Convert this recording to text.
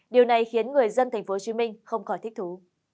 điều này khiến người dân tp hcm không khỏi thích thú